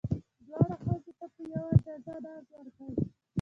دواړو ښځو ته په یوه اندازه ناز ورکئ.